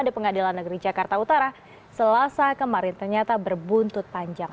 di pengadilan negeri jakarta utara selasa kemarin ternyata berbuntut panjang